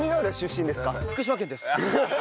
福島県です。